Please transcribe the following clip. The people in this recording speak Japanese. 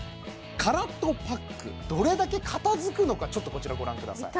乾っとパックどれだけ片づくのかちょっとこちらをご覧ください